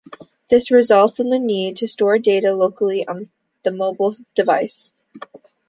This results in the need to store data locally on the mobile device.